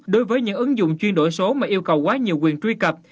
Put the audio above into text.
đối với những ứng dụng chuyên đổi số mà yêu cầu quá nhiều quyền truy cập